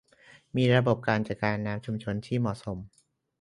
มีระบบการจัดการน้ำชุมชนที่เหมาะสม